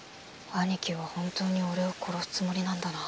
兄貴は本当に俺を殺すつもりなんだな。